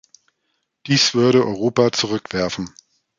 Dies würde Europa zurückwerfen.